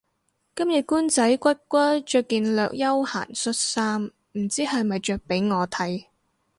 今日官仔骨骨着件略休閒恤衫唔知係咪着畀我睇